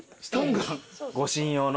護身用の。